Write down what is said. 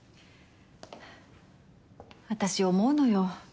私思うのよ。